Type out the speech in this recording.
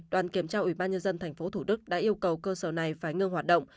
đoàn kiểm tra ủy ban nhân dân tp thủ đức đã yêu cầu cơ sở này phải ngưng hoạt động